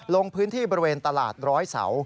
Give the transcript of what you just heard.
ลงพื้นที่บริเวณตลาดร้อยเสา